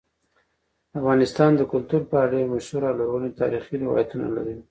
افغانستان د کلتور په اړه ډېر مشهور او لرغوني تاریخی روایتونه لري.